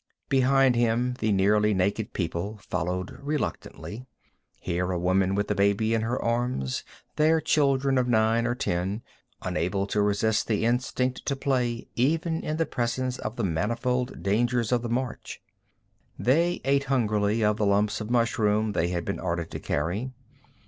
Behind him the nearly naked people followed reluctantly. Here a woman with a baby in her arms, there children of nine or ten, unable to resist the Instinct to play even in the presence of the manifold dangers of the march. They ate hungrily of the lumps of mushroom they had been ordered to carry.